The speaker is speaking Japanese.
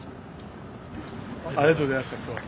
ありがとうございました今日は。